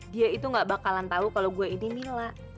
dia itu ga bakalan tau kalo gua ini mila